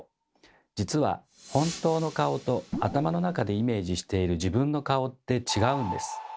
実は本当の顔と頭の中でイメージしている自分の顔って違うんです。